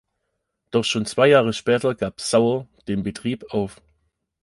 Doch schon zwei Jahre später gab Saur den Betrieb auf.